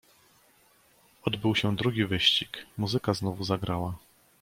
"Odbył się drugi wyścig, muzyka znowu zagrała."